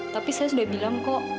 tapi saya sudah bilang kok